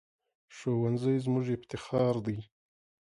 ښوونځی زموږ افتخار دی